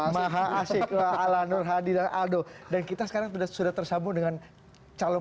maha asyik ala nur hadi dan aldo dan kita sekarang sudah sudah tersambung dengan calon